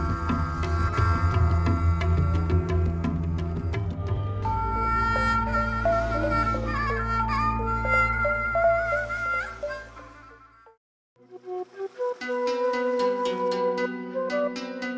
terajeplomas dunia dari passenger transport